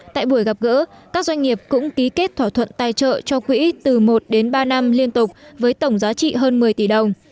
tại buổi gặp gỡ các doanh nghiệp cũng ký kết thỏa thuận tài trợ cho quỹ từ một đến ba năm liên tục với tổng giá trị hơn một mươi tỷ đồng